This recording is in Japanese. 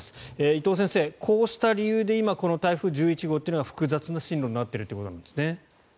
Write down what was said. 伊藤先生、こうした理由で今、台風１１号というのが複雑な進路になっているということなんですね。